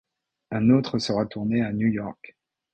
Un autre sera tourné à New York.